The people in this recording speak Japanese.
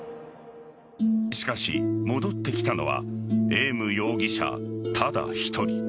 しかし、戻ってきたのはエーム容疑者ただ１人。